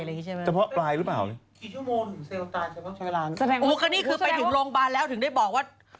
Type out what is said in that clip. พี่จบน้ำอุบัติไปถึงโรงบ้านแล้วถึงได้บอกว่า